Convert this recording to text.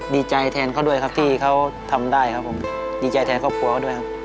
ดีใจแทนเขาด้วยครับที่เขาทำได้ครับผมดีใจแทนครอบครัวเขาด้วยครับ